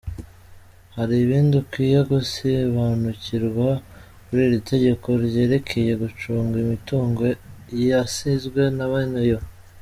Hari ibindi ukwiye gusibanukirwa kuri iri tegeko ryerekeye gucunga imitungo yasizwe na bene yo:.